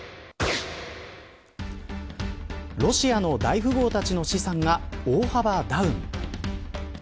ロシアの大富豪たちの資産が大幅ダウン。